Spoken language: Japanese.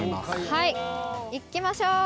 はい行きましょう。